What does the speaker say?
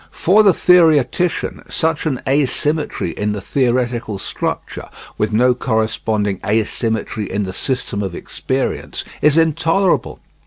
For the theoretician such an asymmetry in the theoretical structure, with no corresponding asymmetry in the system of experience, is intolerable.